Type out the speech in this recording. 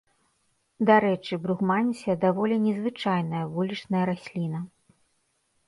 Дарэчы, бругмансія даволі незвычайная вулічная расліна.